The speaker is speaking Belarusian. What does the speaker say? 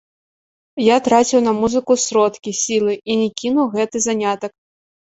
Я траціў на музыку сродкі, сілы, і не кіну гэты занятак.